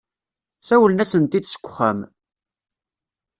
Sawlen-asent-d seg wexxam.